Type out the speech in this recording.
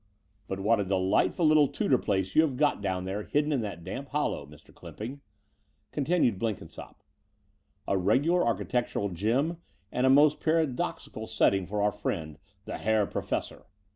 "But what a delightful little Tudor place you have got down there hidden in that damp hollow, Mr. Clymping," continued Blenkinsopp, a regu lar architectural gem and a most paradoxical set ting for our friend, the Herr Professor!